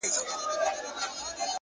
هره هڅه نوی ځواک راویښوي,